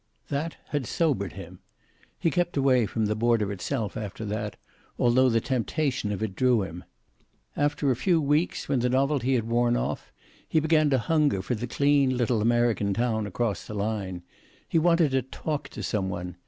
That had sobered him. He kept away from the border itself after that, although the temptation of it drew him. After a few weeks, when the novelty had worn off, he began to hunger for the clean little American town across the line. He wanted to talk to some one.